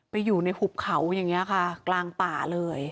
ไปอยู่ในหุบเขาอย่างนี้ค่ะกลางป่าเลย